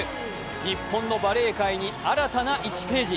日本のバレー界に新たな１ページ。